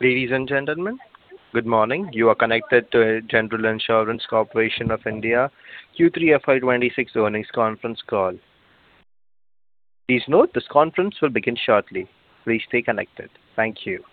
Ladies and gentlemen, good morning. You are connected to General Insurance Corporation of India Q3 FY 2026 Earnings Conference Call. Please note this conference will begin shortly. Please stay connected. Thank you.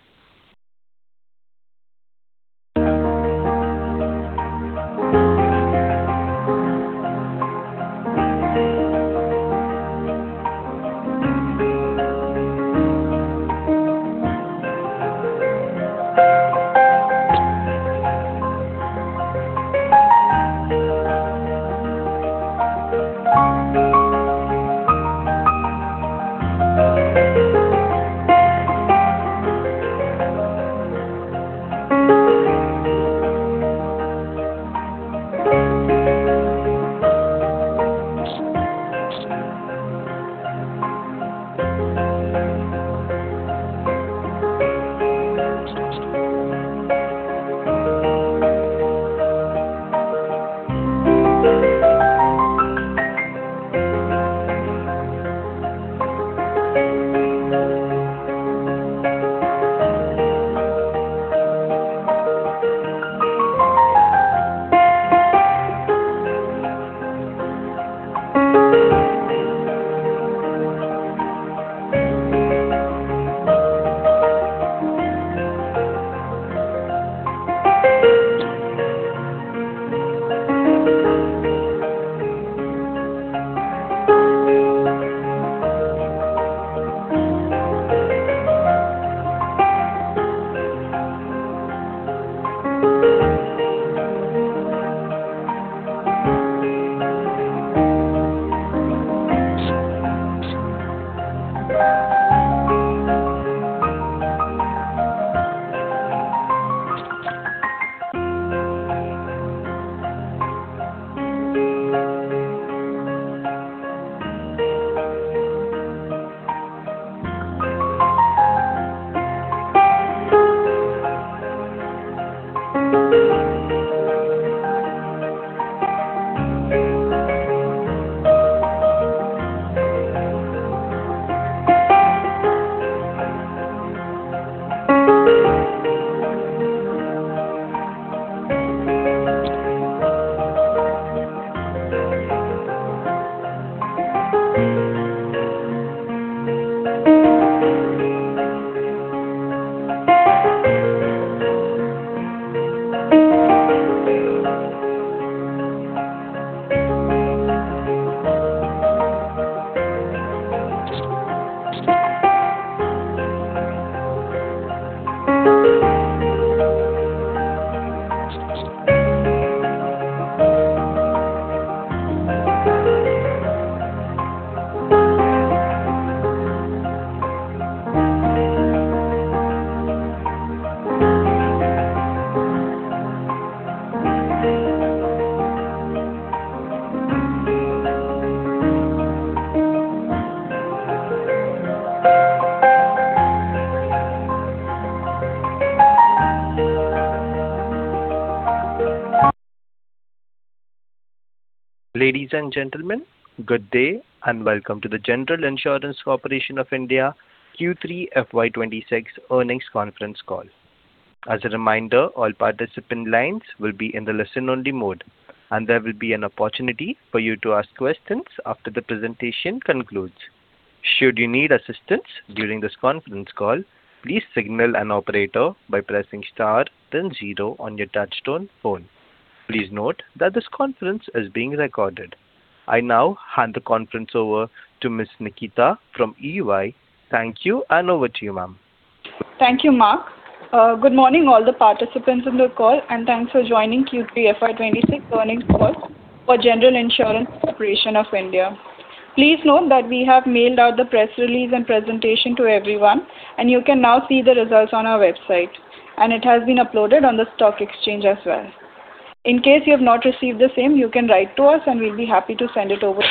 Ladies and gentlemen, good day and welcome to the General Insurance Corporation of India Q3 FY 2026 Earnings Conference Call. As a reminder, all participant lines will be in the listen-only mode, and there will be an opportunity for you to ask questions after the presentation concludes. Should you need assistance during this conference call, please signal an operator by pressing star, then zero on your touch-tone phone. Please note that this conference is being recorded. I now hand the conference over to Ms. Nikita from EY. Thank you, and over to you, ma'am. Thank you, Mark. Good morning, all the participants in the call, and thanks for joining Q3 FY 2026 Earnings Call for General Insurance Corporation of India. Please note that we have mailed out the press release and presentation to everyone, and you can now see the results on our website, and it has been uploaded on the stock exchange as well. In case you have not received the same, you can write to us, and we'll be happy to send it over.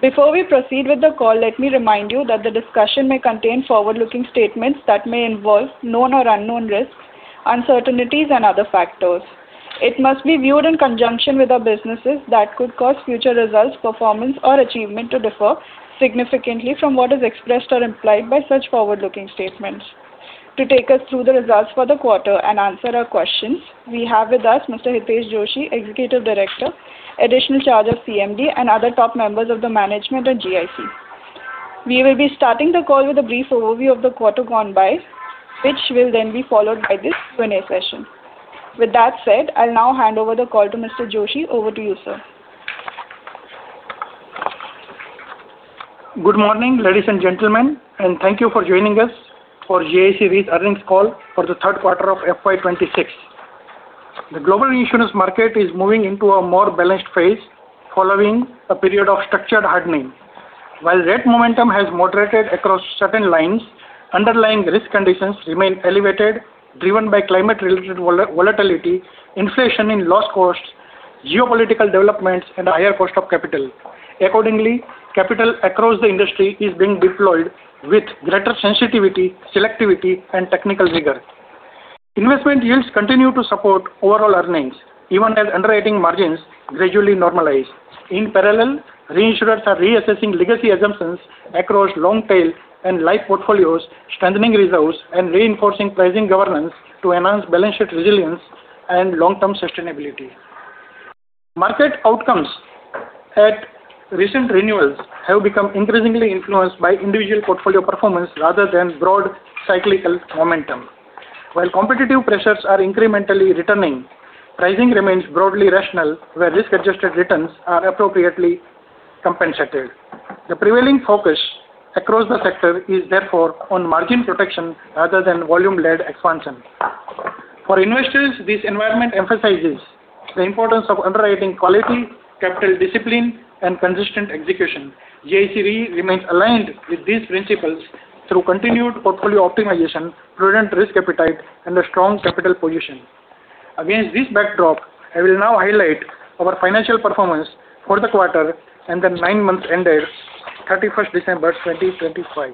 Before we proceed with the call, let me remind you that the discussion may contain forward-looking statements that may involve known or unknown risks, uncertainties, and other factors. It must be viewed in conjunction with our businesses that could cause future results, performance, or achievement to differ significantly from what is expressed or implied by such forward-looking statements. To take us through the results for the quarter and answer our questions, we have with us Mr. Hitesh Joshi, Executive Director, Additional Charge of CMD, and other top members of the management and GIC. We will be starting the call with a brief overview of the quarter gone by, which will then be followed by this Q&A session. With that said, I'll now hand over the call to Mr. Joshi. Over to you, sir. Good morning, ladies and gentlemen, and thank you for joining us for GIC Re's earnings call for the third quarter of FY 2026. The global insurance market is moving into a more balanced phase following a period of structured hardening. While rate momentum has moderated across certain lines, underlying risk conditions remain elevated, driven by climate-related volatility, inflation in lost costs, geopolitical developments, and a higher cost of capital. Accordingly, capital across the industry is being deployed with greater sensitivity, selectivity, and technical rigor. Investment yields continue to support overall earnings, even as underwriting margins gradually normalize. In parallel, reinsurers are reassessing legacy assumptions across long-tail and live portfolios, strengthening results, and reinforcing pricing governance to enhance balance sheet resilience and long-term sustainability. Market outcomes at recent renewals have become increasingly influenced by individual portfolio performance rather than broad cyclical momentum. While competitive pressures are incrementally returning, pricing remains broadly rational, where risk-adjusted returns are appropriately compensated. The prevailing focus across the sector is therefore on margin protection rather than volume-led expansion. For investors, this environment emphasizes the importance of underwriting quality, capital discipline, and consistent execution. GIC Re remains aligned with these principles through continued portfolio optimization, prudent risk appetite, and a strong capital position. Against this backdrop, I will now highlight our financial performance for the quarter and the nine months ended 31st December 2025.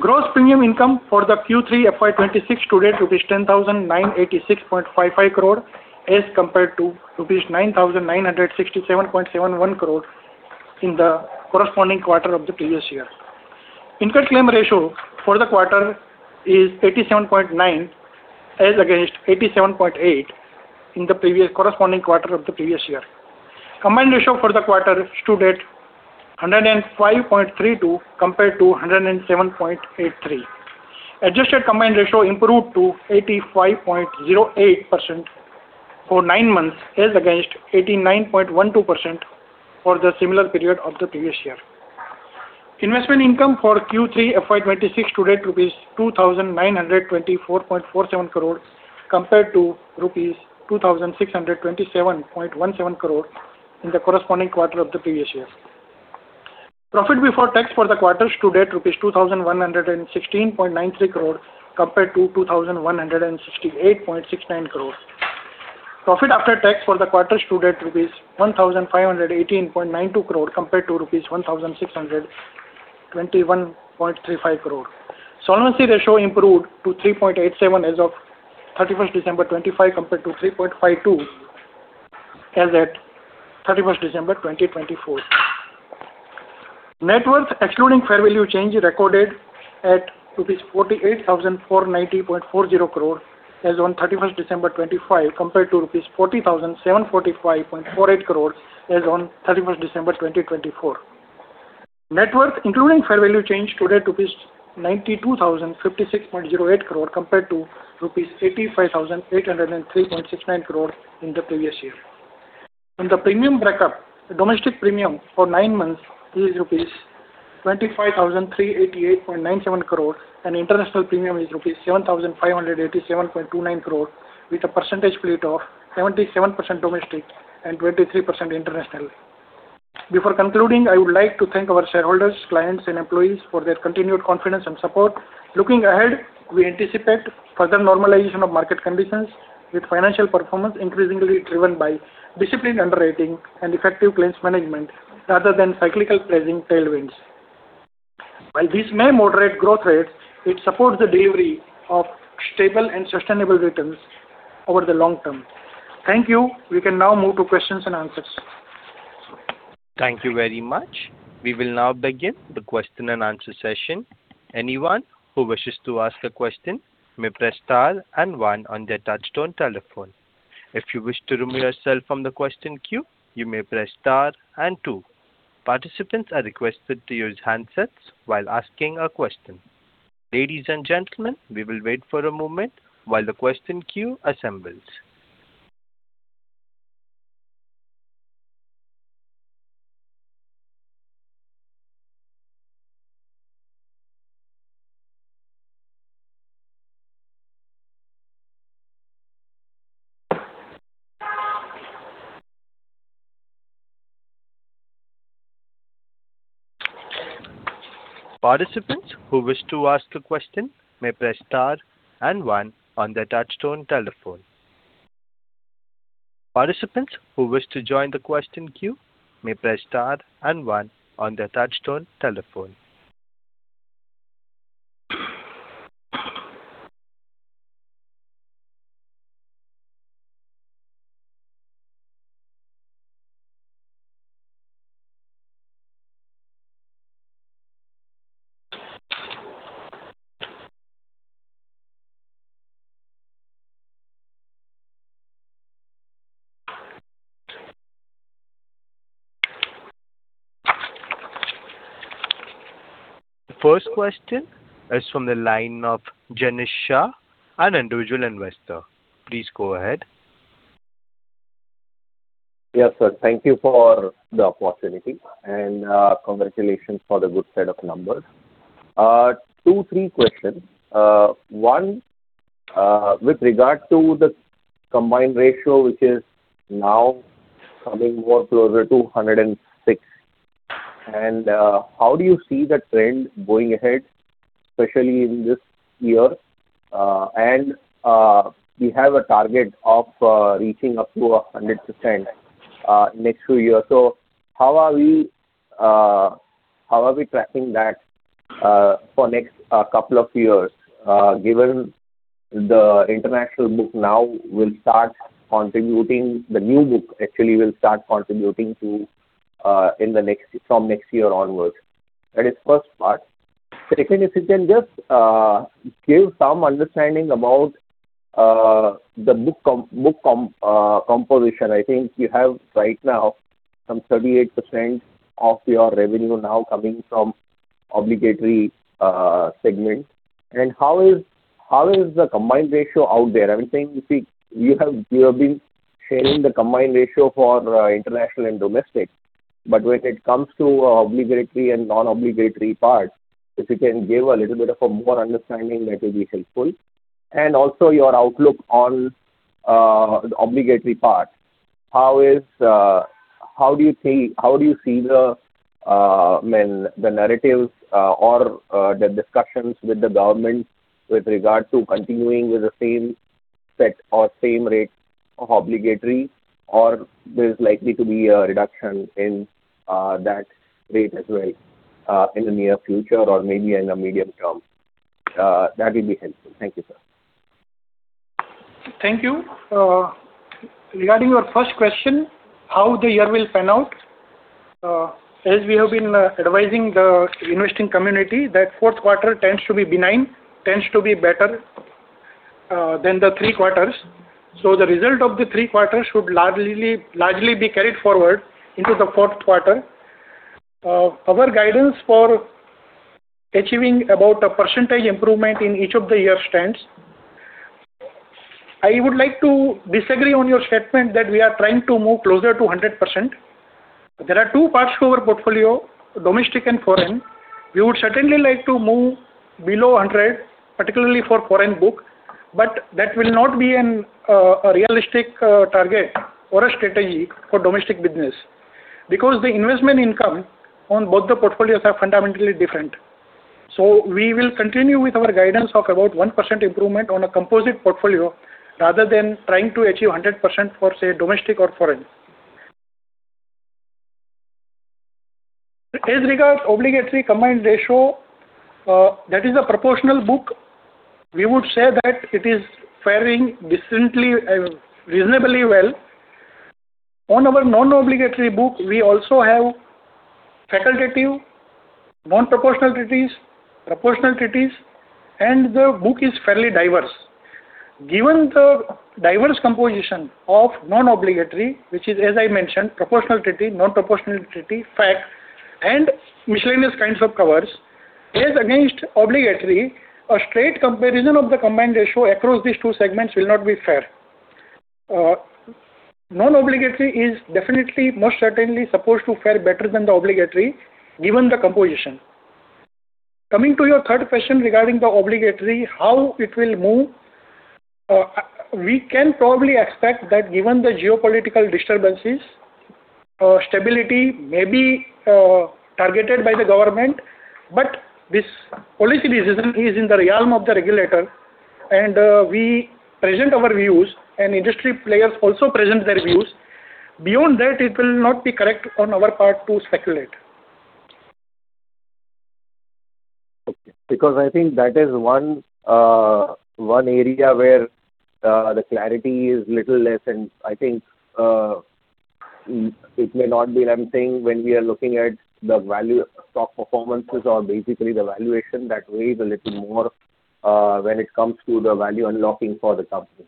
Gross premium income for the Q3 FY 2026 to date 10,986.55 crore rupees as compared to 9,967.71 crore rupees in the corresponding quarter of the previous year. Incurred claim ratio for the quarter is 87.9 as against 87.8 in the corresponding quarter of the previous year. Combined ratio for the quarter to date 105.32 compared to 107.83. Adjusted combined ratio improved to 85.08% for nine months as against 89.12% for the similar period of the previous year. Investment income for Q3 FY 2026 to date 2,924.47 crore rupees compared to 2,627.17 crore rupees in the corresponding quarter of the previous year. Profit before tax for the quarter to date rupees 2,116.93 crore compared to 2,168.69 crore. Profit after tax for the quarter to date rupees 1,518.92 crore compared to rupees 1,621.35 crore. Solvency ratio improved to 3.87 as of 31st December 2025 compared to 3.52 as at 31st December 2024. Net worth excluding fair value change recorded at 48,490.40 crore rupees as on 31st December 2025 compared to 40,745.48 crore as on 31st December 2024. Net worth including fair value change to date INR 92,056.08 crore compared to INR 85,803.69 crore in the previous year. On the premium breakup, domestic premium for nine months is INR 25,388.97 crore, and international premium is INR 7,587.29 crore with a percentage split of 77% domestic and 23% international. Before concluding, I would like to thank our shareholders, clients, and employees for their continued confidence and support. Looking ahead, we anticipate further normalization of market conditions with financial performance increasingly driven by disciplined underwriting and effective claims management rather than cyclical pricing tailwinds. While this may moderate growth rates, it supports the delivery of stable and sustainable returns over the long term. Thank you. We can now move to questions and answers. Thank you very much. We will now begin the question-and-answer session. Anyone who wishes to ask a question may press star and one on their touch-tone telephone. If you wish to remove yourself from the question queue, you may press star and two. Participants are requested to use handsets while asking a question. Ladies and gentlemen, we will wait for a moment while the question queue assembles. Participants who wish to ask a question may press star and one on their touch-tone telephone. Participants who wish to join the question queue may press star and one on their touch-tone telephone. The first question is from the line of Janish Shah, an individual investor. Please go ahead. Yes, sir. Thank you for the opportunity, and congratulations for the good set of numbers. Two, three questions. One, with regard to the combined ratio, which is now coming more closer to 106, and how do you see the trend going ahead, especially in this year? We have a target of reaching up to 100% next few years. So how are we tracking that for the next couple of years? Given the international book now will start contributing the new book, actually, will start contributing from next year onwards. That is the first part. Second, if you can just give some understanding about the book composition. I think you have right now some 38% of your revenue now coming from obligatory segment. And how is the combined ratio out there? I'm saying you have been sharing the Combined Ratio for international and domestic, but when it comes to obligatory and non-obligatory parts, if you can give a little bit of more understanding, that will be helpful. And also, your outlook on the obligatory part, how do you think how do you see the narratives or the discussions with the government with regard to continuing with the same set or same rate of obligatory, or there's likely to be a reduction in that rate as well in the near future or maybe in the medium term? That will be helpful. Thank you, sir. Thank you. Regarding your first question, how the year will pan out? As we have been advising the investing community, that fourth quarter tends to be benign, tends to be better than the three quarters. So the result of the three quarters should largely be carried forward into the fourth quarter. Our guidance for achieving about a percentage improvement in each of the years stands. I would like to disagree on your statement that we are trying to move closer to 100%. There are two parts to our portfolio, domestic and foreign. We would certainly like to move below 100%, particularly for foreign book, but that will not be a realistic target or a strategy for domestic business because the investment income on both the portfolios are fundamentally different. So we will continue with our guidance of about 1% improvement on a composite portfolio rather than trying to achieve 100% for, say, domestic or foreign. As regards to obligatory combined ratio, that is a proportional book. We would say that it is faring reasonably well. On our non-obligatory book, we also have facultative, non-proportional treaties, proportional treaties, and the book is fairly diverse. Given the diverse composition of non-obligatory, which is, as I mentioned, proportional treaty, non-proportional treaty, Fac, and miscellaneous kinds of covers, as against obligatory, a straight comparison of the combined ratio across these two segments will not be fair. Non-obligatory is definitely, most certainly, supposed to fare better than the obligatory given the composition. Coming to your third question regarding the obligatory, how it will move, we can probably expect that given the geopolitical disturbances, stability may be targeted by the government, but this policy decision is in the realm of the regulator, and we present our views, and industry players also present their views. Beyond that, it will not be correct on our part to speculate. Okay. Because I think that is one area where the clarity is a little less, and I think it may not be an entity when we are looking at the stock performances or basically the valuation that weighs a little more when it comes to the value unlocking for the company.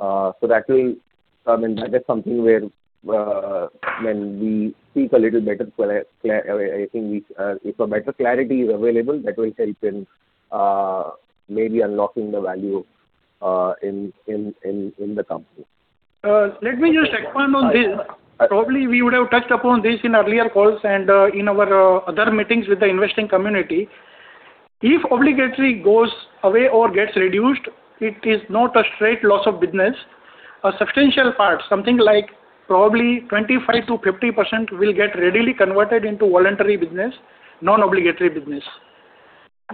So that will come in. That is something where when we speak a little better, I think if a better clarity is available, that will help in maybe unlocking the value in the company. Let me just expand on this. Probably, we would have touched upon this in earlier calls and in our other meetings with the investing community. If obligatory goes away or gets reduced, it is not a straight loss of business. A substantial part, something like probably 25%-50%, will get readily converted into voluntary business, non-obligatory business.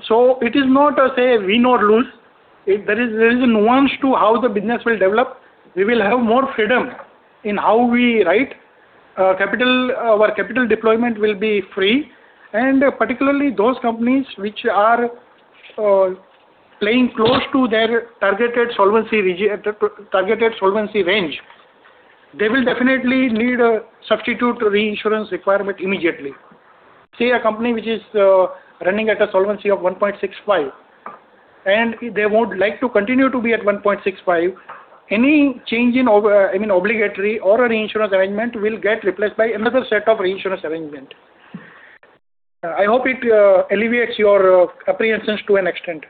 So it is not a straight win-or-lose. There is a nuance to how the business will develop. We will have more freedom in how we write. Our capital deployment will be free. Particularly, those companies which are playing close to their targeted solvency range, they will definitely need a substitute reinsurance requirement immediately. Say a company which is running at a solvency of 1.65, and they would like to continue to be at 1.65. Any change in, I mean, obligatory or reinsurance arrangement will get replaced by another set of reinsurance arrangements. I hope it alleviates your apprehensions to an extent.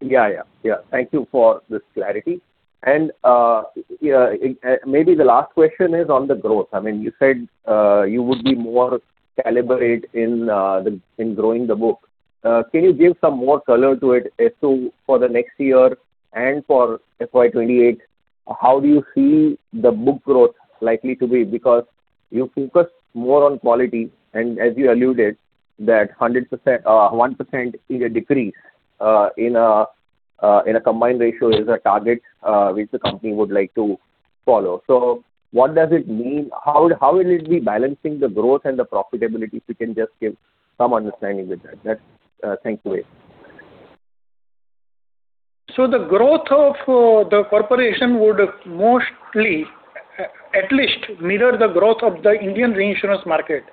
Yeah, yeah, yeah. Thank you for this clarity. Maybe the last question is on the growth. I mean, you said you would be more calibrated in growing the book. Can you give some more color to it as to for the next year and for FY 2028, how do you see the book growth likely to be? Because you focus more on quality, and as you alluded, that 1% is a decrease in a combined ratio is a target which the company would like to follow. So what does it mean? How will it be balancing the growth and the profitability if you can just give some understanding with that? Thanks Hitesh The growth of the corporation would mostly, at least, mirror the growth of the Indian reinsurance market.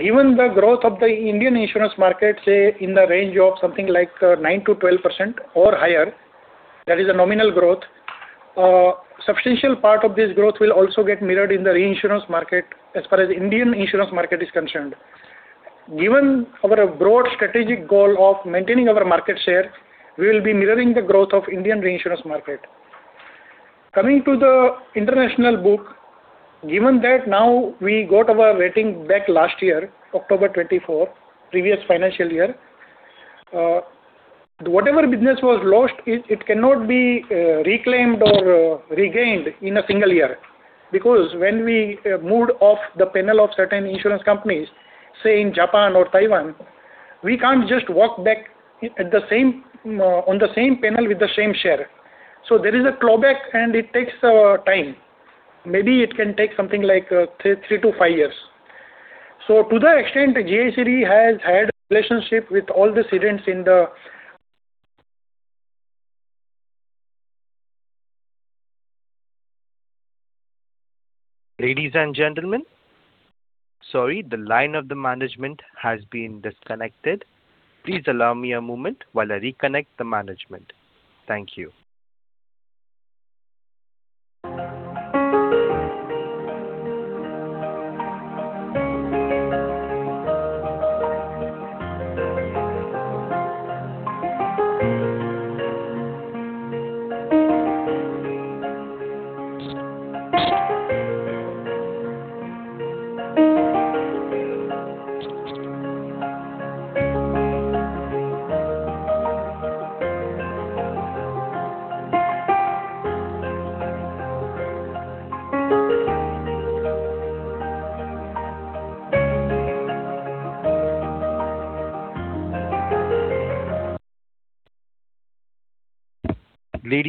Given the growth of the Indian insurance market, say, in the range of something like 9%-12% or higher, that is a nominal growth, a substantial part of this growth will also get mirrored in the reinsurance market as far as the Indian insurance market is concerned. Given our broad strategic goal of maintaining our market share, we will be mirroring the growth of the Indian reinsurance market. Coming to the international book, given that now we got our rating back last year, October 24, 2024, previous financial year, whatever business was lost, it cannot be reclaimed or regained in a single year because when we moved off the panel of certain insurance companies, say, in Japan or Taiwan, we can't just walk back on the same panel with the same share. So there is a clawback, and it takes time. Maybe it can take something like 3-5 years. So to the extent GIC Re has had a relationship with all the cedents in the. Ladies and gentlemen, sorry, the line of the management has been disconnected. Please allow me a moment while I reconnect the management. Thank you.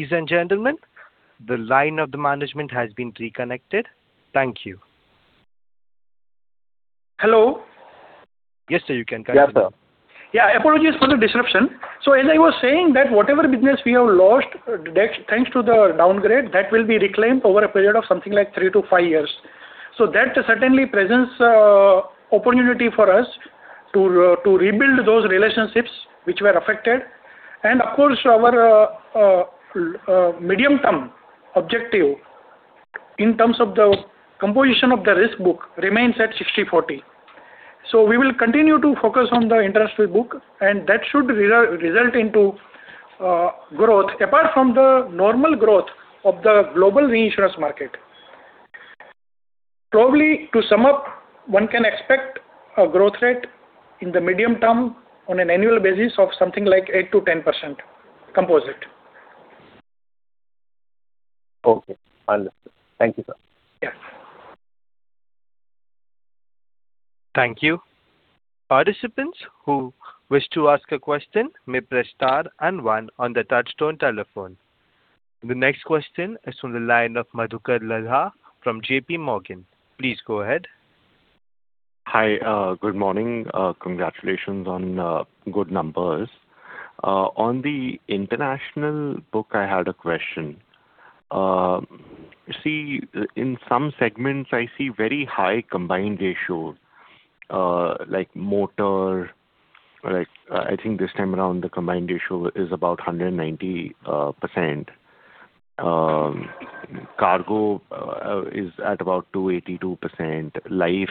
Ladies and gentlemen, the line of the management has been reconnected. Thank you. Hello? Yes, sir. You can continue. Yes, sir. Yeah, apologies for the disruption. So as I was saying, that whatever business we have lost, thanks to the downgrade, that will be reclaimed over a period of something like 3-5 years. So that certainly presents an opportunity for us to rebuild those relationships which were affected. And of course, our medium-term objective in terms of the composition of the risk book remains at 60/40. So we will continue to focus on the international book, and that should result in growth apart from the normal growth of the global reinsurance market. Probably, to sum up, one can expect a growth rate in the medium term on an annual basis of something like 8%-10% composite. Okay. Understood. Thank you, sir. Yeah. Thank you. Participants who wish to ask a question may press star and one on their touch-tone telephone. The next question is from the line of Madhukar Ladha from JPMorgan. Please go ahead. Hi. Good morning. Congratulations on good numbers. On the international book, I had a question. See, in some segments, I see very high combined ratios, like motor. I think this time around, the combined ratio is about 190%. Cargo is at about 282%. Life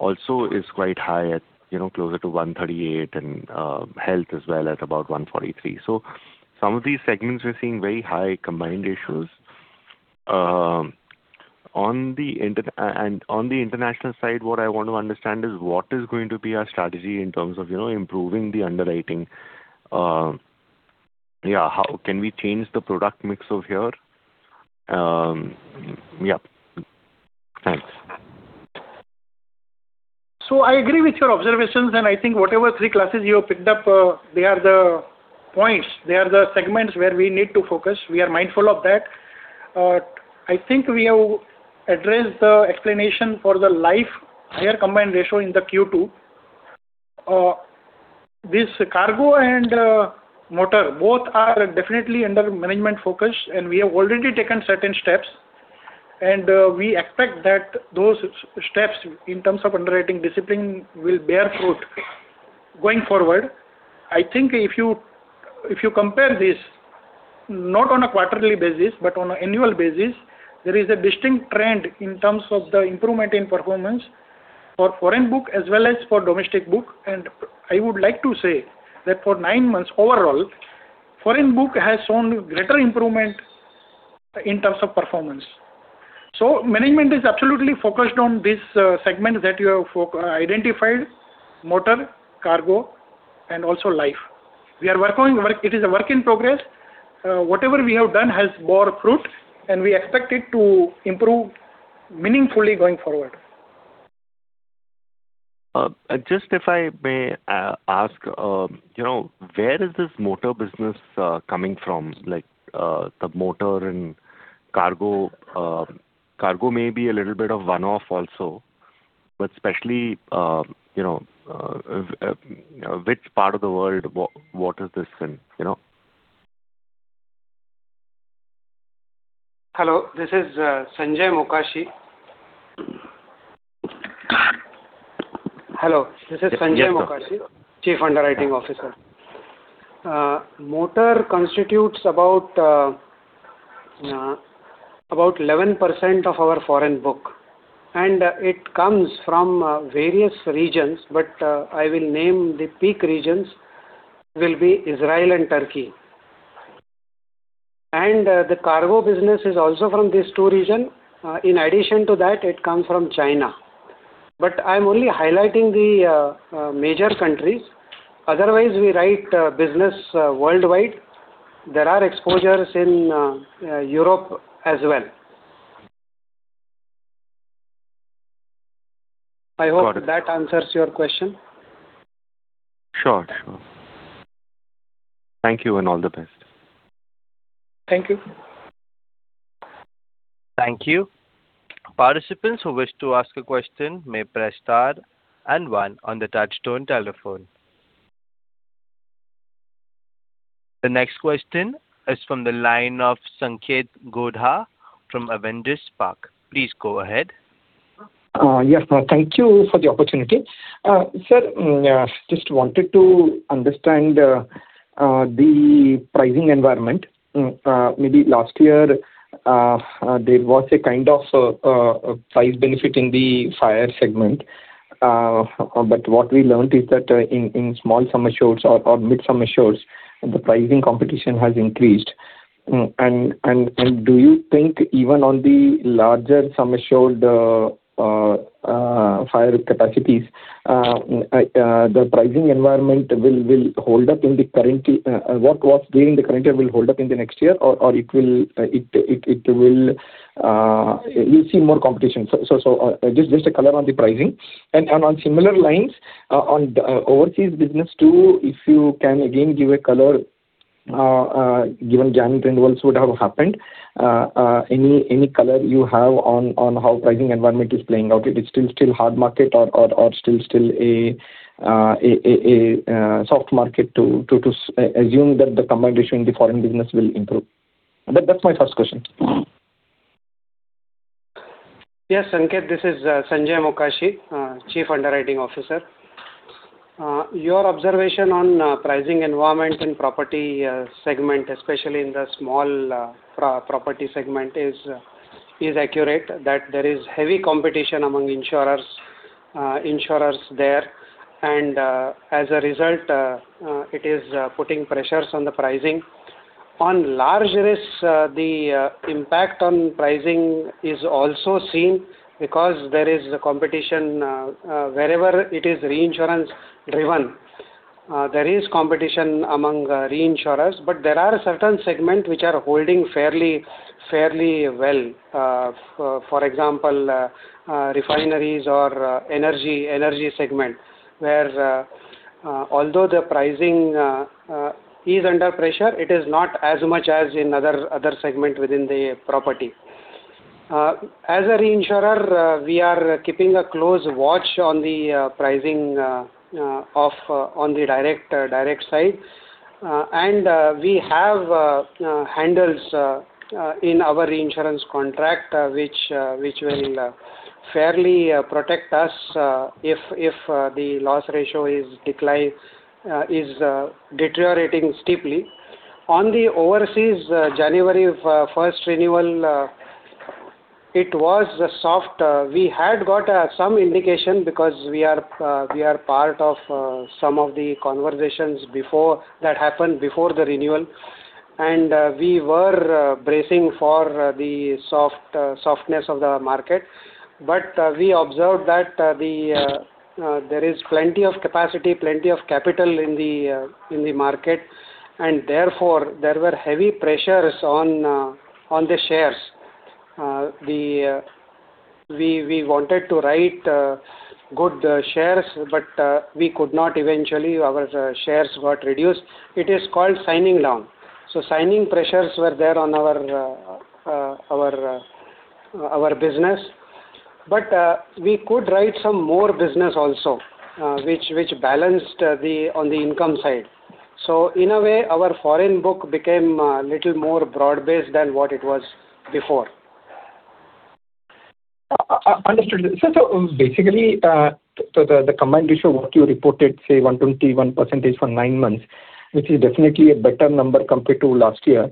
also is quite high, closer to 138%, and health as well at about 143%. So some of these segments, we're seeing very high combined ratios. And on the international side, what I want to understand is what is going to be our strategy in terms of improving the underwriting. Yeah, how can we change the product mix of here? Yeah. Thanks. I agree with your observations, and I think whatever three classes you have picked up, they are the points. They are the segments where we need to focus. We are mindful of that. I think we have addressed the explanation for the life higher combined ratio in the Q2. This cargo and motor, both are definitely under management focus, and we have already taken certain steps. We expect that those steps in terms of underwriting discipline will bear fruit going forward. I think if you compare this, not on a quarterly basis, but on an annual basis, there is a distinct trend in terms of the improvement in performance for foreign book as well as for domestic book. I would like to say that for nine months overall, foreign book has shown greater improvement in terms of performance. Management is absolutely focused on these segments that you have identified: motor, cargo, and also life. It is a work in progress. Whatever we have done has borne fruit, and we expect it to improve meaningfully going forward. Just if I may ask, where is this motor business coming from? The motor and cargo may be a little bit of one-off also, but especially which part of the world, what is this in? Hello. This is Satyajit Mokashi. Hello. This is Satyajit Mokashi, Chief Underwriting Officer. Motor constitutes about 11% of our foreign book, and it comes from various regions, but I will name the peak regions will be Israel and Turkey. And the cargo business is also from these two regions. In addition to that, it comes from China. But I'm only highlighting the major countries. Otherwise, we write business worldwide. There are exposures in Europe as well. I hope that answers your question. Sure, sure. Thank you and all the best. Thank you. Thank you. Participants who wish to ask a question may press star and one on the touch-tone telephone. The next question is from the line of Sanketh Godha from Avendus Spark. Please go ahead. Yes, sir. Thank you for the opportunity. Sir, just wanted to understand the pricing environment. Maybe last year, there was a kind of price benefit in the fire segment. But what we learned is that in small sum insured or mid sum insured, the pricing competition has increased. Do you think even on the larger sum insured fire capacities, the pricing environment will hold up in the current year? What was during the current year will hold up in the next year, or will you see more competition? Just a color on the pricing. On similar lines, on overseas business too, if you can again give a color, given January renewals would have happened, any color you have on how pricing environment is playing out? Is it still hard market or still a soft market to assume that the combined ratio in the foreign business will improve? That's my first question. Yes, Sanketh. This is Satyajit Mokashi, Chief Underwriting Officer. Your observation on pricing environment and property segment, especially in the small property segment, is accurate, that there is heavy competition among insurers there. And as a result, it is putting pressures on the pricing. On large risk, the impact on pricing is also seen because there is competition wherever it is reinsurance-driven. There is competition among reinsurers, but there are certain segments which are holding fairly well. For example, refineries or energy segment, where although the pricing is under pressure, it is not as much as in other segments within the property. As a reinsurer, we are keeping a close watch on the pricing on the direct side. And we have handles in our reinsurance contract which will fairly protect us if the loss ratio is deteriorating steeply. On the overseas, 1st January renewal, it was soft. We had got some indication because we are part of some of the conversations that happened before the renewal. And we were bracing for the softness of the market. But we observed that there is plenty of capacity, plenty of capital in the market. And therefore, there were heavy pressures on the shares. We wanted to write good shares, but we could not. Eventually, our shares got reduced. It is called signing down. So signing pressures were there on our business. But we could write some more business also which balanced on the income side. So in a way, our foreign book became a little more broad-based than what it was before. Understood. Sir, so basically, the combined ratio, what you reported, say, 121% for nine months, which is definitely a better number compared to last year,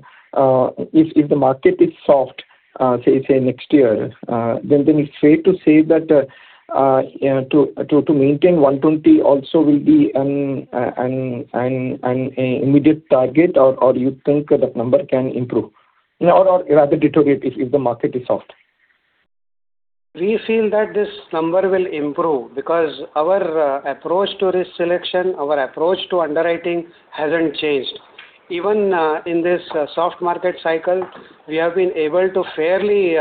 if the market is soft, say, next year, then it's fair to say that to maintain 120% also will be an immediate target, or you think that number can improve or rather deteriorate if the market is soft? We feel that this number will improve because our approach to risk selection, our approach to underwriting hasn't changed. Even in this soft market cycle, we have been able to fairly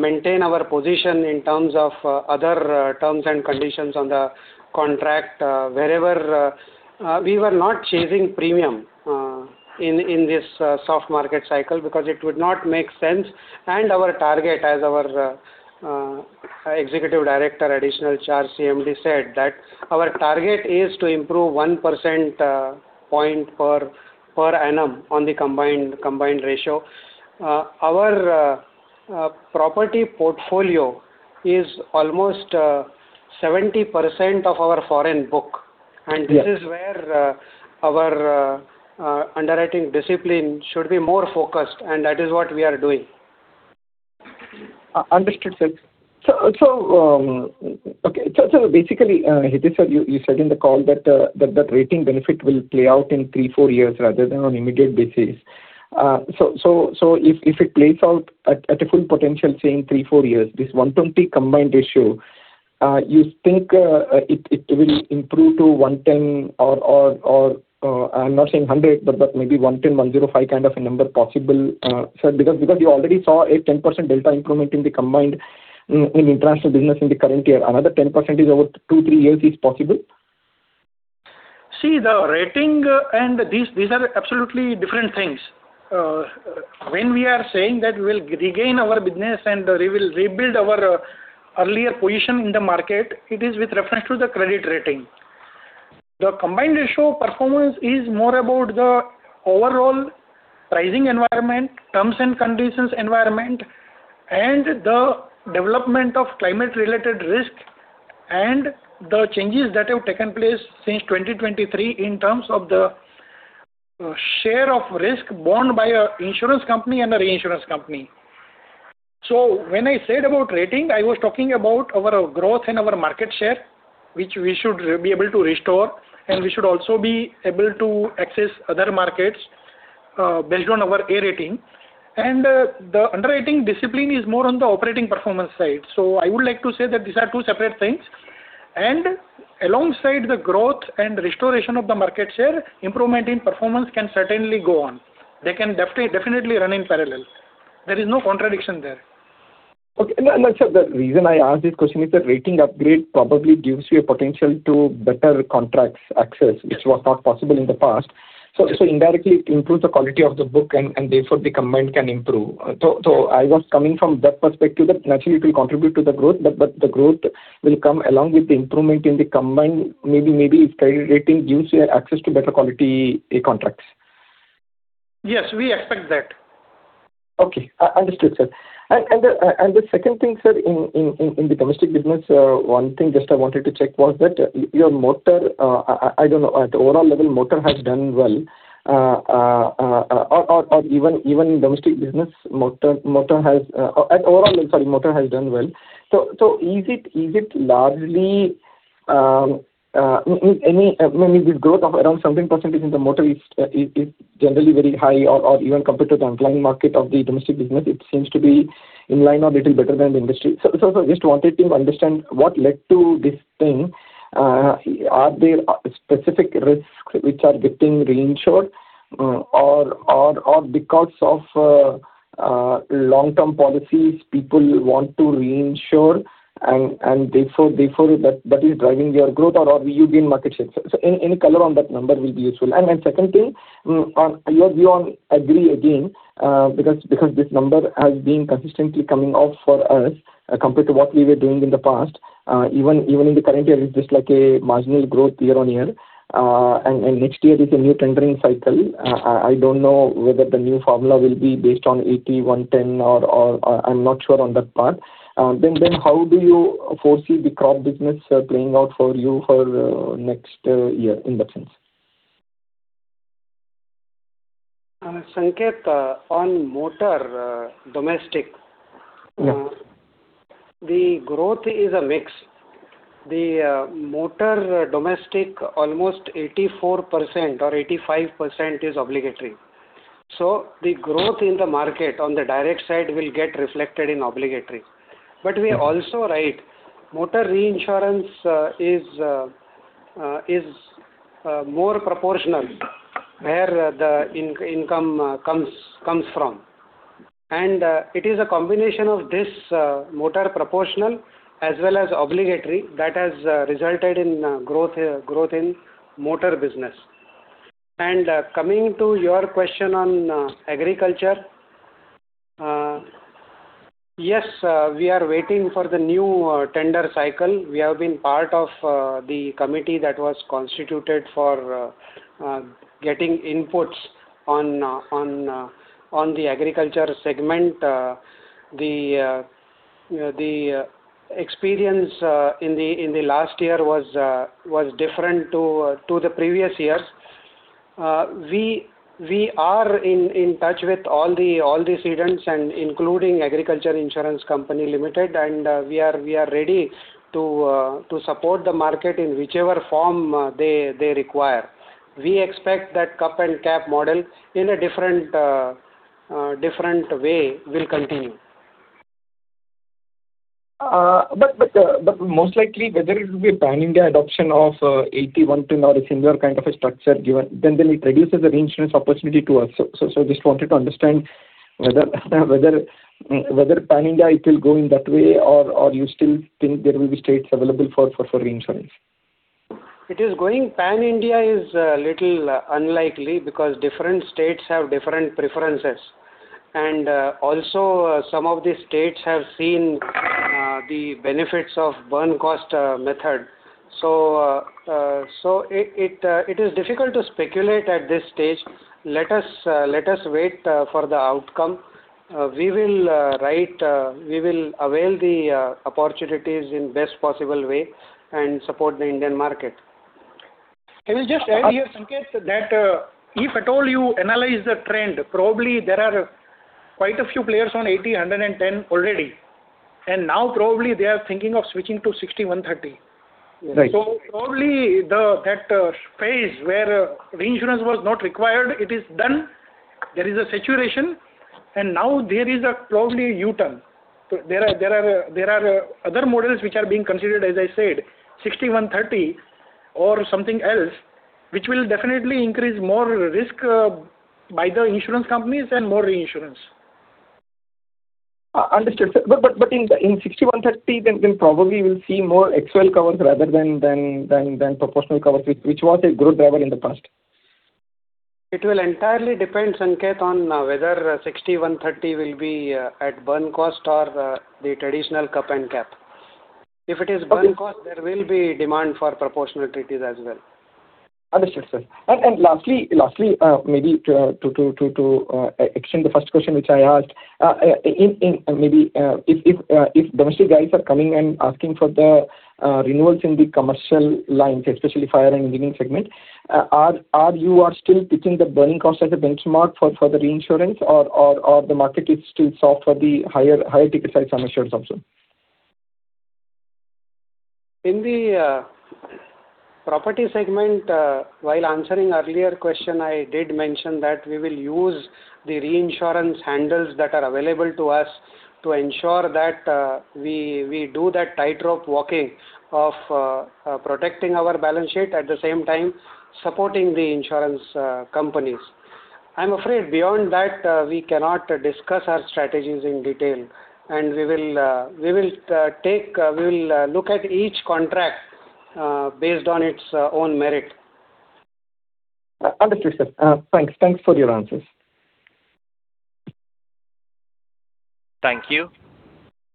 maintain our position in terms of other terms and conditions on the contract. We were not chasing premium in this soft market cycle because it would not make sense. Our target, as our Executive Director, additional charge CMD, said that our target is to improve 1 percentage point per annum on the Combined Ratio. Our property portfolio is almost 70% of our foreign book. This is where our underwriting discipline should be more focused, and that is what we are doing. Understood, sir. Okay. So basically, Hitesh, sir, you said in the call that that rating benefit will play out in 3-4 years rather than on immediate basis. So if it plays out at a full potential, say, in 3-4 years, this 120 Combined Ratio, you think it will improve to 110 or I'm not saying 100, but maybe 110-105 kind of a number possible, sir, because you already saw a 10% delta improvement in the Combined Ratio in international business in the current year. Another 10% is over two, three years is possible? See, the rating and these are absolutely different things. When we are saying that we will regain our business and we will rebuild our earlier position in the market, it is with reference to the credit rating. The combined ratio performance is more about the overall pricing environment, terms and conditions environment, and the development of climate-related risk and the changes that have taken place since 2023 in terms of the share of risk borne by an insurance company and a reinsurance company. So when I said about rating, I was talking about our growth and our market share, which we should be able to restore, and we should also be able to access other markets based on our A rating. And the underwriting discipline is more on the operating performance side. So I would like to say that these are two separate things. Alongside the growth and restoration of the market share, improvement in performance can certainly go on. They can definitely run in parallel. There is no contradiction there. Okay. No, sir, the reason I asked this question is the rating upgrade probably gives you a potential to better contracts access, which was not possible in the past. So indirectly, it improves the quality of the book, and therefore, the combined can improve. So I was coming from that perspective that naturally, it will contribute to the growth, but the growth will come along with the improvement in the combined. Maybe this credit rating gives you access to better quality contracts. Yes, we expect that. Okay. Understood, sir. The second thing, sir, in the domestic business, one thing I just wanted to check was that your motor, I don't know, at overall level, motor has done well. Or even domestic business, motor has at overall level, sorry, motor has done well. So is it largely I mean, if this growth of around 17% in the motor is generally very high or even compared to the underlying market of the domestic business, it seems to be in line or a little better than the industry. So I just wanted to understand what led to this thing. Are there specific risks which are getting reinsured, or because of long-term policies, people want to reinsure, and therefore, that is driving your growth, or will you gain market share? So any color on that number will be useful. Then second thing, on your view, I agree again because this number has been consistently coming off for us compared to what we were doing in the past. Even in the current year, it's just like a marginal growth year-over-year. Next year is a new tendering cycle. I don't know whether the new formula will be based on 80, 110, or I'm not sure on that part. How do you foresee the crop business playing out for you for next year in that sense? Sanketh, on motor domestic, the growth is a mix. The motor domestic, almost 84% or 85% is obligatory. So the growth in the market on the direct side will get reflected in obligatory. But we also write motor reinsurance is more proportional where the income comes from. And it is a combination of this motor proportional as well as obligatory that has resulted in growth in motor business. And coming to your question on agriculture, yes, we are waiting for the new tender cycle. We have been part of the committee that was constituted for getting inputs on the agriculture segment. The experience in the last year was different to the previous years. We are in touch with all these cedants, including Agriculture Insurance Company of India Limited, and we are ready to support the market in whichever form they require. We expect that Cup and Cap Model in a different way will continue. Most likely, whether it will be a pan-India adoption of 80, 110, or a similar kind of a structure, then it reduces the reinsurance opportunity to us. I just wanted to understand whether pan-India, it will go in that way, or you still think there will be states available for reinsurance? It is going pan-India, is a little unlikely because different states have different preferences. Also, some of these states have seen the benefits of Burn Cost Method. It is difficult to speculate at this stage. Let us wait for the outcome. We will avail the opportunities in the best possible way and support the Indian market. I will just add here, Satyajit, that if at all you analyze the trend, probably there are quite a few players on 80-110 already. And now, probably, they are thinking of switching to 60-130. So probably that phase where reinsurance was not required, it is done. There is a saturation. And now, there is probably a U-turn. There are other models which are being considered, as I said, 60-130, or something else, which will definitely increase more risk by the insurance companies and more reinsurance. Understood, sir. But in 60, 130, then probably we'll see more XOL covers rather than proportional covers, which was a growth driver in the past. It will entirely depend, Sanketh, on whether 60, 130 will be at burn cost or the traditional cup and cap. If it is burn cost, there will be demand for proportional treaties as well. Understood, sir. And lastly, maybe to extend the first question which I asked, maybe if domestic guys are coming and asking for the renewals in the commercial lines, especially fire and engineering segment, are you still pitching the burn cost as a benchmark for the reinsurance, or the market is still soft for the higher ticket size on insurance also? In the property segment, while answering earlier question, I did mention that we will use the reinsurance handles that are available to us to ensure that we do that tightrope walking of protecting our balance sheet at the same time supporting the insurance companies. I'm afraid beyond that, we cannot discuss our strategies in detail. We will look at each contract based on its own merit. Understood, sir. Thanks for your answers. Thank you.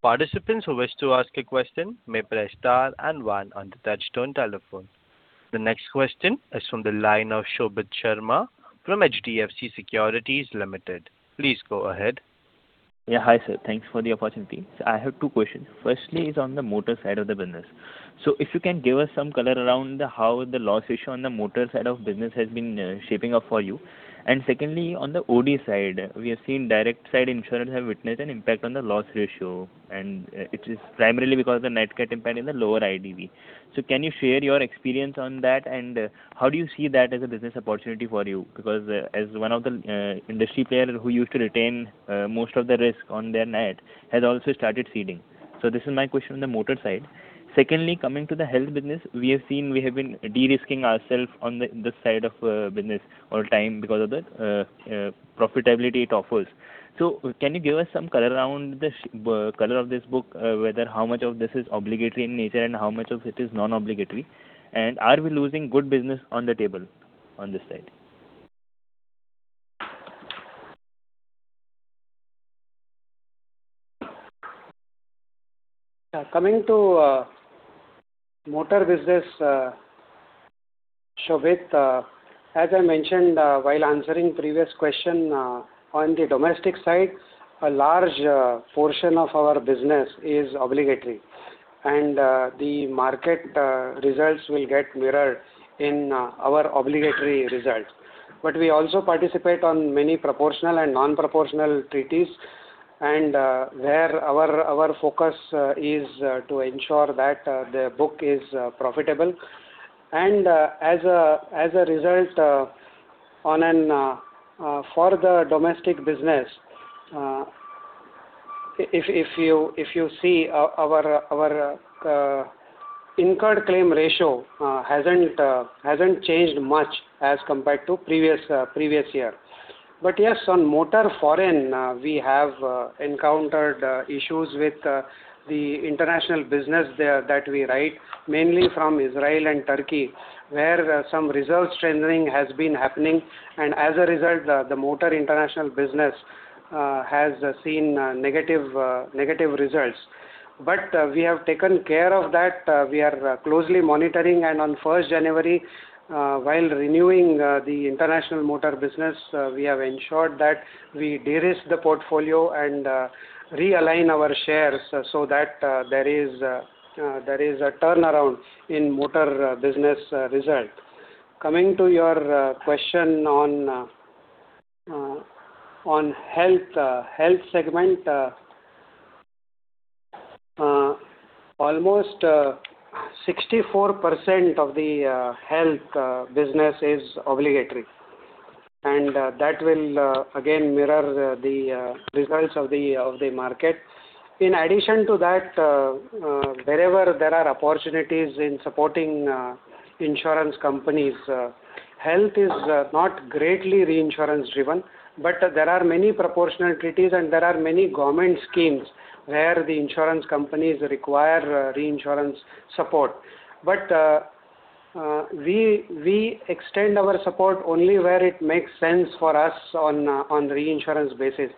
Participants who wish to ask a question may press star and one on the touch-tone telephone. The next question is from the line of Shobhit Sharma from HDFC Securities Limited. Please go ahead. Yeah. Hi, sir. Thanks for the opportunity. So I have two questions. Firstly is on the motor side of the business. So if you can give us some color around how the loss ratio on the motor side of business has been shaping up for you. And secondly, on the OD side, we have seen direct side insurance have witnessed an impact on the loss ratio. And it is primarily because of the netcap impact in the lower IDV. So can you share your experience on that, and how do you see that as a business opportunity for you? Because as one of the industry players who used to retain most of the risk on their net has also started ceding. So this is my question on the motor side. Secondly, coming to the health business, we have seen we have been de-risking ourselves on this side of business all time because of the profitability it offers. So can you give us some color around the color of this book, how much of this is obligatory in nature and how much of it is non-obligatory? And are we losing good business on the table on this side? Yeah. Coming to motor business, Shobhit, as I mentioned while answering previous question, on the domestic side, a large portion of our business is obligatory. The market results will get mirrored in our obligatory results. But we also participate on many proportional and non-proportional treaties, and where our focus is to ensure that the book is profitable. As a result, for the domestic business, if you see our incurred claim ratio hasn't changed much as compared to previous year. But yes, on motor foreign, we have encountered issues with the international business that we write, mainly from Israel and Turkey, where some results deteriorating has been happening. As a result, the motor international business has seen negative results. But we have taken care of that. We are closely monitoring. On 1st January, while renewing the international motor business, we have ensured that we de-risk the portfolio and realign our shares so that there is a turnaround in motor business result. Coming to your question on health segment, almost 64% of the health business is obligatory. That will, again, mirror the results of the market. In addition to that, wherever there are opportunities in supporting insurance companies, health is not greatly reinsurance-driven. But there are many proportional treaties, and there are many government schemes where the insurance companies require reinsurance support. But we extend our support only where it makes sense for us on reinsurance basis.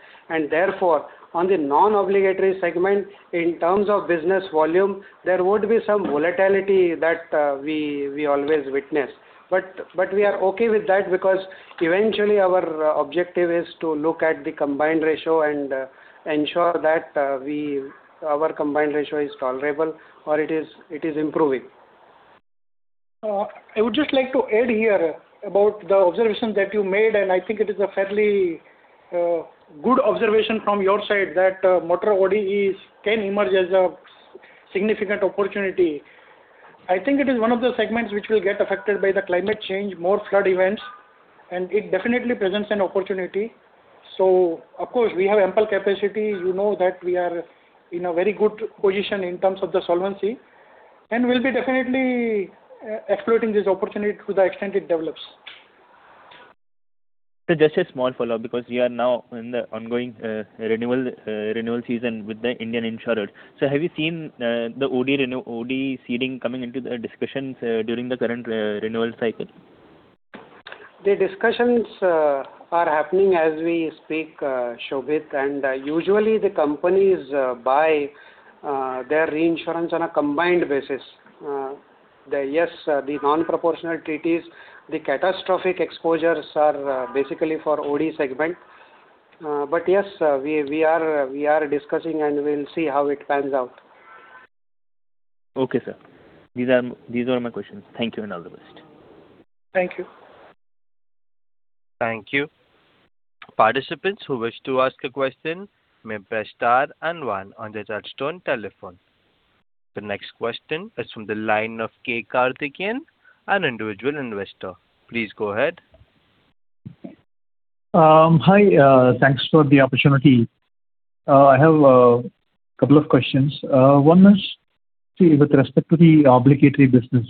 Therefore, on the non-obligatory segment, in terms of business volume, there would be some volatility that we always witness. But we are okay with that because eventually, our objective is to look at the Combined Ratio and ensure that our Combined Ratio is tolerable or it is improving. I would just like to add here about the observation that you made. I think it is a fairly good observation from your side that motor ODs can emerge as a significant opportunity. I think it is one of the segments which will get affected by the climate change, more flood events. It definitely presents an opportunity. Of course, we have ample capacity. You know that we are in a very good position in terms of the solvency. We'll be definitely exploiting this opportunity to the extent it develops. So just a small follow-up because we are now in the ongoing renewal season with the Indian insurers. So have you seen the OD ceding coming into the discussions during the current renewal cycle? The discussions are happening as we speak, Shobhit. And usually, the companies buy their reinsurance on a combined basis. Yes, the non-proportional treaties, the catastrophic exposures are basically for OD segment. But yes, we are discussing, and we'll see how it pans out. Okay, sir. These are my questions. Thank you and all the best. Thank you. Thank you. Participants who wish to ask a question may press star and one on the touch-tone telephone. The next question is from the line of K. Karthikeyan, an individual investor. Please go ahead. Hi. Thanks for the opportunity. I have a couple of questions. One is with respect to the obligatory business.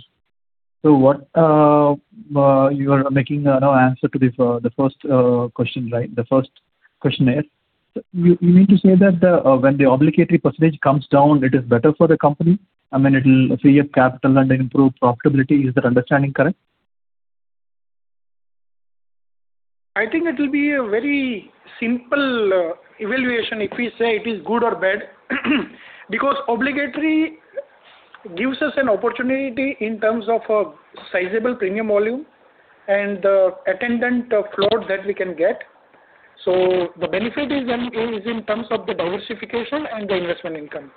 So you are making an answer to the first question, right, the first questionnaire. You mean to say that when the obligatory percentage comes down, it is better for the company? I mean, it will free up capital and improve profitability. Is that understanding correct? I think it will be a very simple evaluation if we say it is good or bad because obligatory gives us an opportunity in terms of sizable premium volume and the attendant float that we can get. So the benefit is in terms of the diversification and the investment income.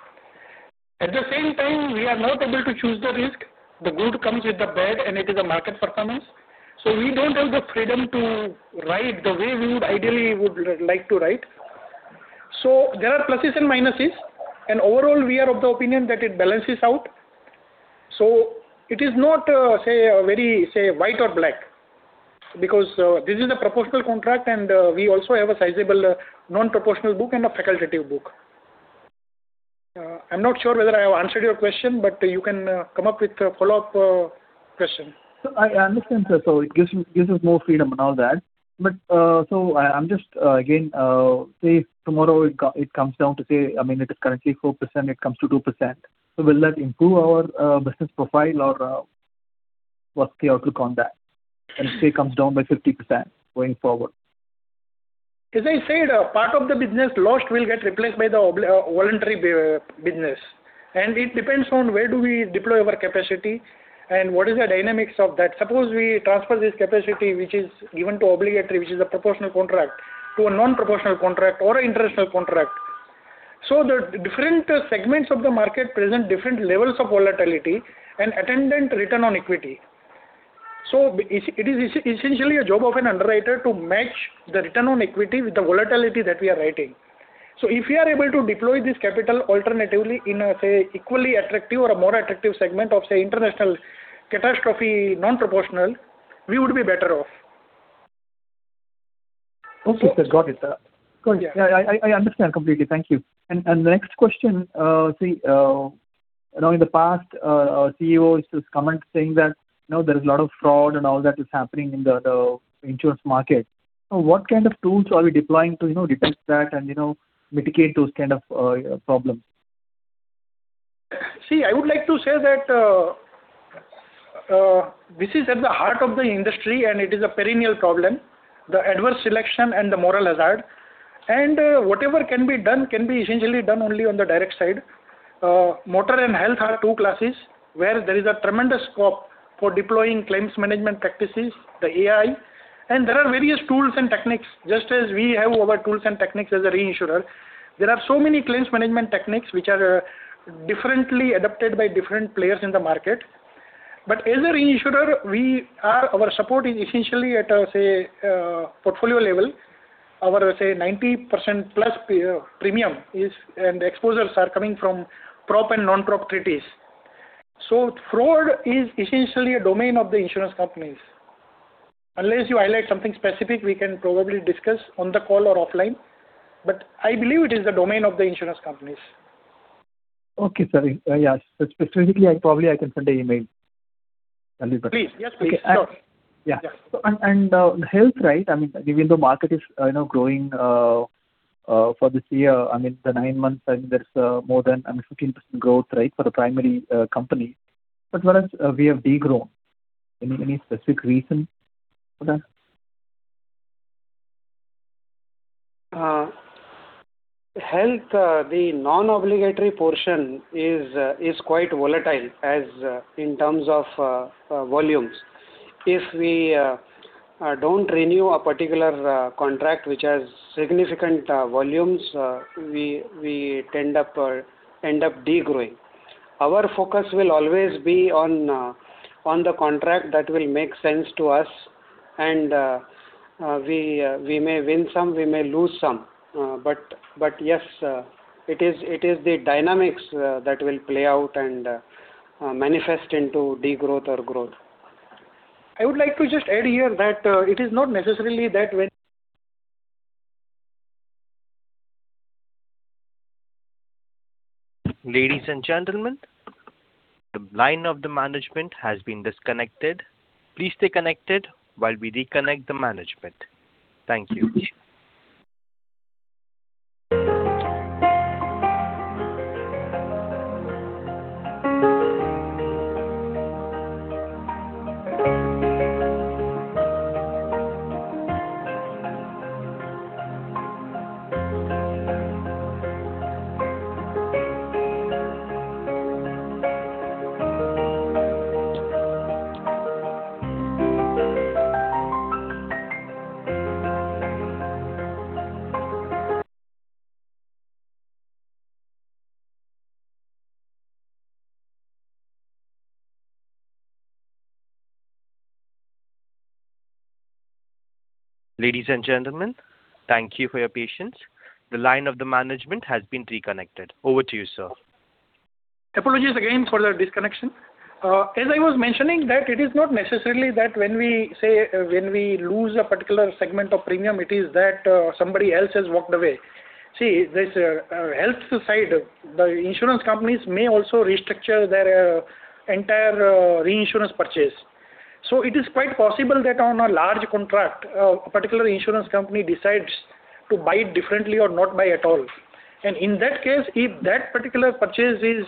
At the same time, we are not able to choose the risk. The good comes with the bad, and it is a market performance. So we don't have the freedom to write the way we ideally would like to write. So there are pluses and minuses. And overall, we are of the opinion that it balances out. So it is not, say, white or black because this is a proportional contract, and we also have a sizable non-proportional book and a facultative book. I'm not sure whether I have answered your question, but you can come up with a follow-up question. So I understand, sir. So it gives us more freedom and all that. So again, say tomorrow it comes down to say, I mean, it is currently 4%. It comes to 2%. So will that improve our business profile, or what's the outlook on that? And if it comes down by 50% going forward? As I said, part of the business lost will get replaced by the voluntary business. It depends on where do we deploy our capacity and what is the dynamics of that. Suppose we transfer this capacity, which is given to obligatory, which is a proportional contract, to a non-proportional contract or an international contract. The different segments of the market present different levels of volatility and attendant return on equity. It is essentially a job of an underwriter to match the return on equity with the volatility that we are writing. If we are able to deploy this capital alternatively in a, say, equally attractive or a more attractive segment of, say, international catastrophe non-proportional, we would be better off. Okay, sir. Got it. Go ahead. Yeah. I understand completely. Thank you. And the next question, see, now in the past, CEOs comment saying that there is a lot of fraud and all that is happening in the insurance market. So what kind of tools are we deploying to detect that and mitigate those kind of problems? See, I would like to say that this is at the heart of the industry, and it is a perennial problem, the adverse selection and the moral hazard. Whatever can be done can be essentially done only on the direct side. Motor and health are two classes where there is a tremendous scope for deploying claims management practices, the AI. There are various tools and techniques. Just as we have our tools and techniques as a reinsurer, There are so many claims management techniques which are differently adopted by different players in the market. But as a reinsurer, our support is essentially at, say, portfolio level. Our, say, 90%+ premium and exposures are coming from prop and non-prop treaties. Fraud is essentially a domain of the insurance companies. Unless you highlight something specific, we can probably discuss on the call or offline. But I believe it is the domain of the insurance companies. Okay, sir. Yeah. So, specifically, probably I can send an email. Tell me, but. Please. Yes, please. Sure. Yeah. And the health, right, I mean, given the market is growing for this year, I mean, the nine months, I mean, there's more than 15% growth, right, for the primary company. But whereas we have degrown. Any specific reason for that? Yeah, the non-obligatory portion is quite volatile in terms of volumes. If we don't renew a particular contract which has significant volumes, we end up degrowing. Our focus will always be on the contract that will make sense to us. We may win some. We may lose some. Yes, it is the dynamics that will play out and manifest into degrowth or growth. I would like to just add here that it is not necessarily that when. Ladies and gentlemen, the line of the management has been disconnected. Please stay connected while we reconnect the management. Thank you. Ladies and gentlemen, thank you for your patience. The line of the management has been reconnected. Over to you, sir. Apologies again for the disconnection. As I was mentioning, that it is not necessarily that when we lose a particular segment of premium, it is that somebody else has walked away. See, this health side, the insurance companies may also restructure their entire reinsurance purchase. It is quite possible that on a large contract, a particular insurance company decides to buy it differently or not buy at all. In that case, if that particular purchase is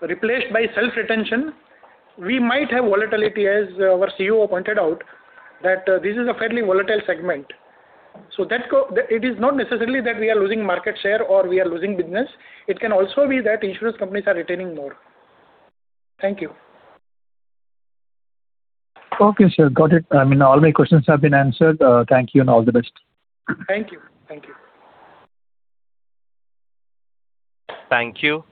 replaced by self-retention, we might have volatility, as our CEO pointed out, that this is a fairly volatile segment. It is not necessarily that we are losing market share or we are losing business. It can also be that insurance companies are retaining more. Thank you. Okay, sir. Got it. I mean, all my questions have been answered. Thank you and all the best. Thank you. Thank you. Thank you.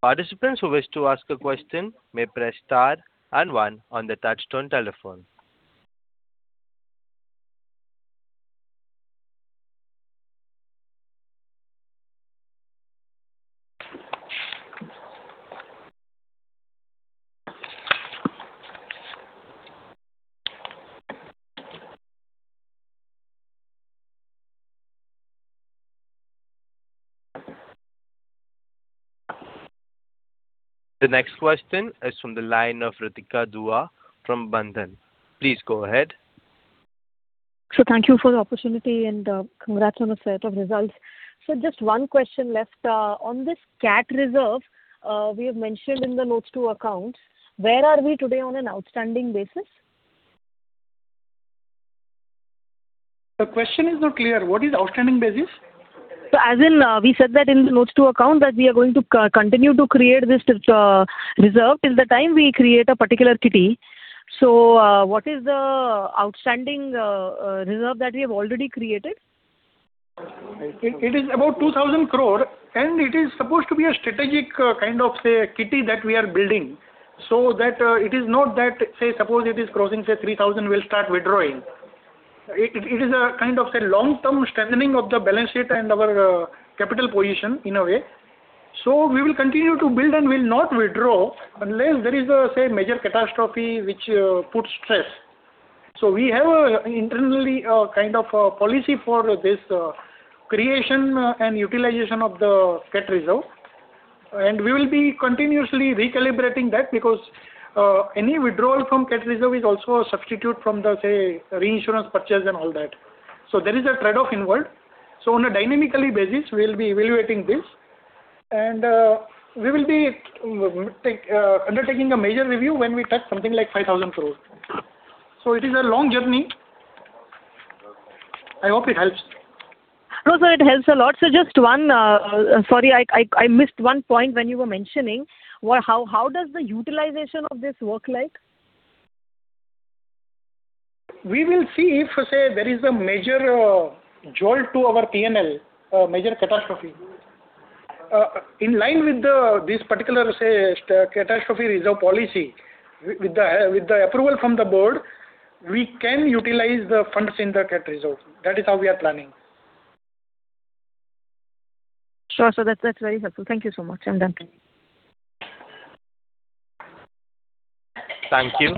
Participants who wish to ask a question may press star and one on the touch-tone telephone. The next question is from the line of Ritika Dua from Bandhan. Please go ahead. Thank you for the opportunity, and congrats on a set of results. Just one question left. On this CAT Reserve, we have mentioned in the notes to account, where are we today on an outstanding basis? The question is not clear. What is outstanding basis? So as in, we said that in the notes to account that we are going to continue to create this reserve till the time we create a particular Kitty. What is the outstanding reserve that we have already created? It is about 2,000 crore, and it is supposed to be a strategic kind of, say, kitty that we are building. So it is not that, say, suppose it is crossing, say, 3,000 crore, we'll start withdrawing. It is a kind of, say, long-term strengthening of the balance sheet and our capital position in a way. So we will continue to build and will not withdraw unless there is a, say, major catastrophe which puts stress. So we have internally a kind of policy for this creation and utilization of the CAT Reserve. And we will be continuously recalibrating that because any withdrawal from CAT Reserve is also a substitute from the, say, reinsurance purchase and all that. So there is a trade-off involved. So on a dynamically basis, we will be evaluating this. And we will be undertaking a major review when we touch something like 5,000 crore. It is a long journey. I hope it helps. No, sir. It helps a lot. So, just one, sorry. I missed one point when you were mentioning. How does the utilization of this work like? We will see if, say, there is a major jolt to our P&L, a major catastrophe. In line with this particular, say, catastrophe reserve policy, with the approval from the board, we can utilize the funds in the CAT Reserve. That is how we are planning. Sure. That's very helpful. Thank you so much. I'm done. Thank you.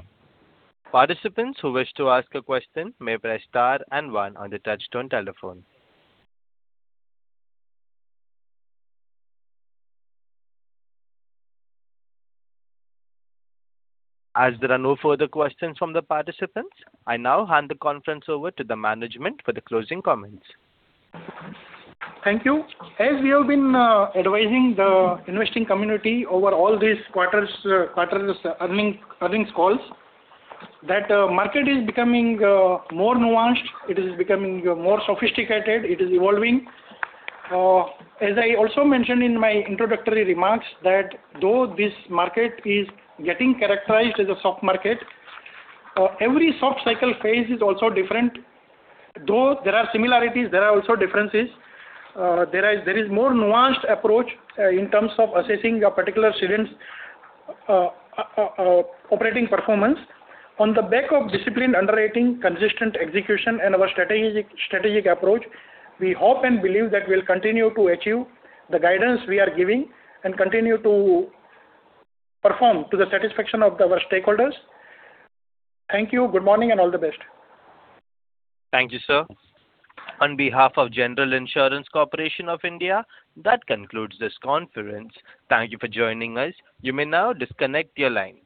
Participants who wish to ask a question may press star and one on the touch-tone telephone. As there are no further questions from the participants, I now hand the conference over to the management for the closing comments. Thank you. As we have been advising the investing community over all these quarters' earnings calls, that market is becoming more nuanced. It is becoming more sophisticated. It is evolving. As I also mentioned in my introductory remarks, that though this market is getting characterized as a soft market, every soft cycle phase is also different. Though there are similarities, there are also differences. There is more nuanced approach in terms of assessing a particular cedent's operating performance. On the back of disciplined underwriting, consistent execution, and our strategic approach, we hope and believe that we'll continue to achieve the guidance we are giving and continue to perform to the satisfaction of our stakeholders. Thank you. Good morning and all the best. Thank you, sir. On behalf of General Insurance Corporation of India, that concludes this conference. Thank you for joining us. You may now disconnect your lines.